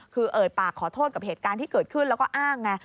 คือเอ่ยปากขอโทษกับเหตุการณ์ที่เกิดขึ้นแล้วก็อ้างไง